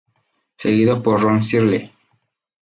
Seguido de Ron Searle.